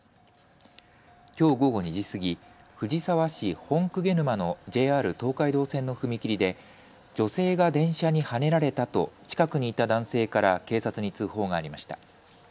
きょう午後２時過ぎ藤沢市本鵠沼のＪＲ東海道線の踏切で女性が電車にはねられたと近くにいた男性から警察に通報がありました。